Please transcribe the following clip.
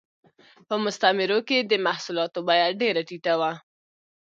په مستعمرو کې د محصولاتو بیه ډېره ټیټه وه